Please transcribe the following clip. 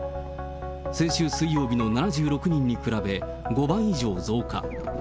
先週水曜日の７６人に比べ５倍以上増加。